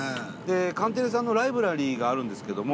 カンテレさんのライブラリーがあるんですけども。